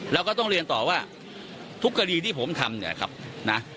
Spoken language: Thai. เราก็ต้องเรียนต่อว่าทุกคดีที่ผมทำ